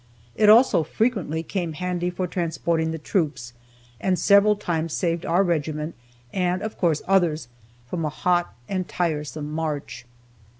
It also frequently came handy for transporting the troops, and several times saved our regiment, and, of course, others, from a hot and tiresome march.